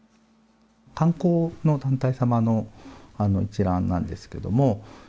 観光の団体様の一覧なんですけども。